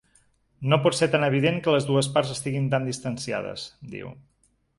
No pot ser tan evident que les dues parts estiguin tan distanciades, diu.